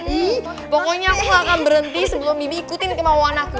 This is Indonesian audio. hmm pokoknya aku gak akan berhenti sebelum bibi ikutin kemauan aku